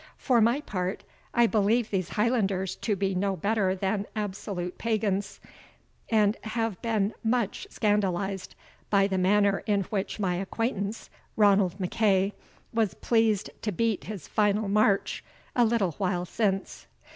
For my part, I believe these Highlanders to be no better than absolute pagans, and have been much scandalized by the manner in which my acquaintance, Ranald MacEagh, was pleased to beat his final march, a little while since."